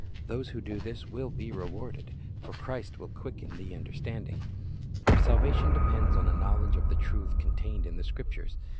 Those who do this will be rewarded; for Christ will quicken the understanding. Our salvation depends on a knowledge of the truth contained in the Scriptures.